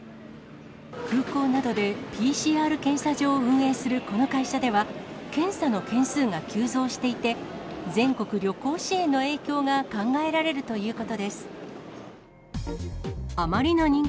空港などでＰＣＲ検査場を運営するこの会社では、検査の件数が急増していて、全国旅行支援の影響が考えられるということです。